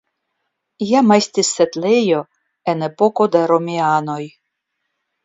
Jam estis setlejo en epoko de romianoj.